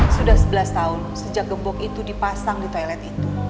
sudah sebelas tahun sejak gembok itu dipasang di toilet itu